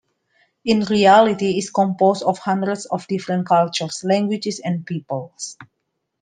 In reality, it's composed of hundreds of different cultures, languages and peoples.